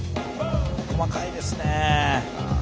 細かいです。